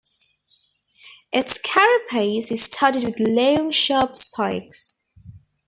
Its carapace is studded with long, sharp spikes.